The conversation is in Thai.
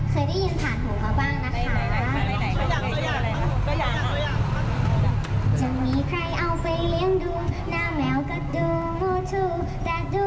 เคยได้ยินผ่านหูมาบ้างนะคะ